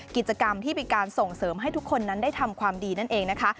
กิจกรรมที่เป็นการส่งเสริมให้ทุกคนนั้นได้ทำความดีนั่นเองนะคะ